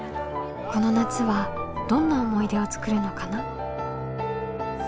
この夏はどんな思い出を作るのかな？